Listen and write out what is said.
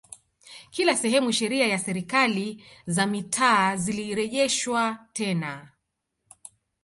Kila sehemu sheria ya serikali za Mitaa zilirejeshwa tena